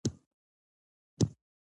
احمدشاه بابا د ملي ویاړونو بنسټ کېښود.